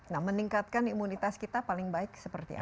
nah meningkatkan imunitas kita paling baik seperti apa